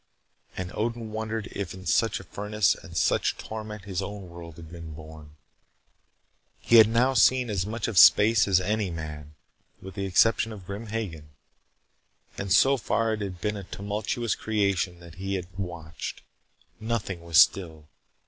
And Odin wondered if in such a furnace and such torment his own world had been born. He had now seen as much of space as any man, with the exception of Grim Hagen, and so far it had been a tumultuous creation that he had watched. Nothing was still.